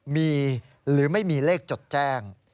มีหรือไม่มีเลขจดแจ้ง